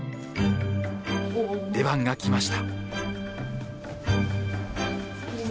出番が来ました。